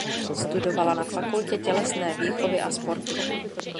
Studovala na fakultě tělesné výchovy a sportu.